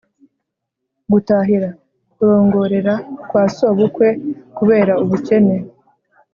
gutahira: kurongorera kwa sobukwe kubera ubukene